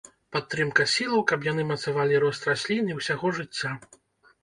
Падтрымка сілаў, каб яны мацавалі рост раслін і ўсяго жыцця.